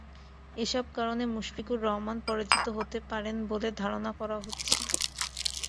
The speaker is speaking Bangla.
এসব কারণে মুশফিকুর রহমান পরাজিত হতে পারেন বলে ধারণা করা হচ্ছে।